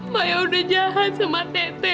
saya sudah jahat sama teteh